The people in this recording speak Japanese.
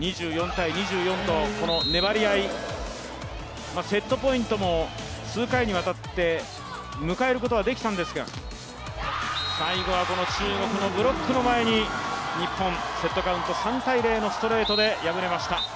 ２４−２４と、粘り合い、セットポイントも数回にわたって迎えることはできたんですが、最後は中国のブロックの前に日本、セットカウント３−０のストレートで敗れました。